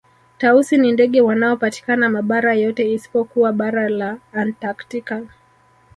Tausi ni ndege wanaopatikana mabara yote isipokuwa bara la antaktika